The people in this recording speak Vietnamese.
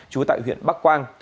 chú tại huyện bắc quang